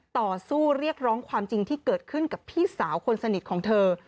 ต่อสู้เรียกร้องความจริงที่เกิดขึ้นกับพี่สาวคนสนิทของเธอ